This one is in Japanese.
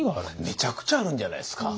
めちゃくちゃあるんじゃないですか。